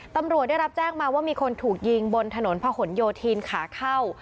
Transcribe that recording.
ตำรวจได้รับแจ้งมาว่ามีคนถูกยิงบนถนนพะหนโยธินขาเข้า